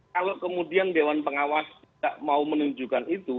kalau kemudian dewan pengawas tidak mau menunjukkan itu